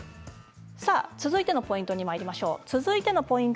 続いてのポイントにまいりましょう。